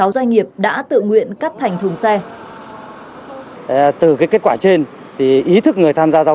hai trăm năm mươi sáu doanh nghiệp đã tự nguyện cắt thành thùng xe từ kết quả trên thì ý thức người tham gia giao